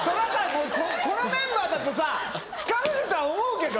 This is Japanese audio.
このメンバーだとさ疲れるとは思うけど。